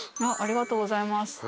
ありがとうございます。